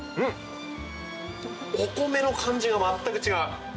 お米の感じが全く違う！